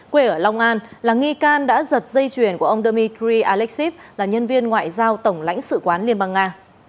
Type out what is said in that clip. quê ở long an là nghi can đã giật dây chuyển của ông dmitry alexiev là nhân viên ngoại giao tổng lãnh sự quán liên bang nga